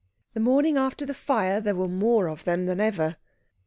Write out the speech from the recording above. The morning after the fire there were more of them than ever.